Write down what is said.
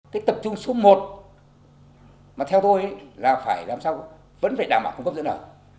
cái tập trung số một mà theo tôi là phải làm sao vẫn phải đảm bảo cung cấp dữ liệu